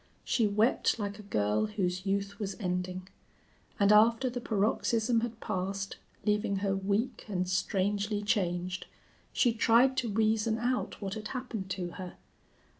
She wept like a girl whose youth was ending; and after the paroxysm had passed, leaving her weak and strangely changed, she tried to reason out what had happened to her.